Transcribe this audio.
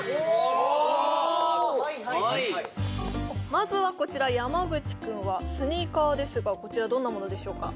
まずはこちら山口くんはスニーカーですがこちらどんなものでしょうか？